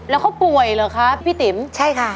แล้วเขาป่วยเหรอคะพี่ติ๋มใช่ค่ะ